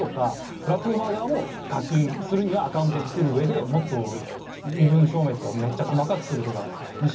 プラットフォーマー側も課金するにはアカウントを作る上でもっと身分証明とかめっちゃ細かくするとか。